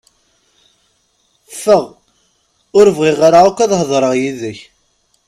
Ffeɣ! Ur bɣiɣ ara akk ad heḍṛeɣ yid-k!